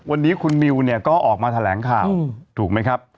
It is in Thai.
วันนี้คุณมิวเนี่ยก็ออกมาแถลงข่าวถูกไหมครับ